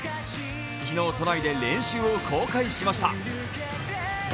昨日、都内で練習を公開しました。